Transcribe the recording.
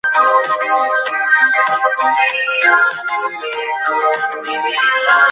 Su base principal es el Aeropuerto Internacional de Shenzhen-Bao'an.